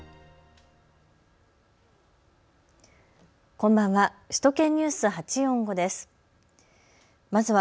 こんばんは。